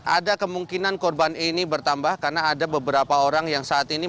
ada kemungkinan korban ini bertambah karena ada beberapa orang yang saat ini